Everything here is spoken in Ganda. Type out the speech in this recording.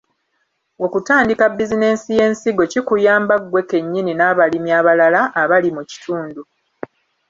Okutandika bizinensi y’ensigo kikuyamba ggwe kennyini n’abalimi abalala abali mu kitundu.